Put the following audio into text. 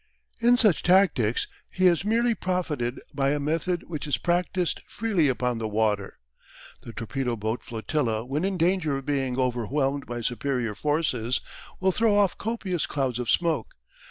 In such tactics he has merely profited by a method which is practised freely upon the water. The torpedo boat flotilla when in danger of being overwhelmed by superior forces will throw off copious clouds of smoke.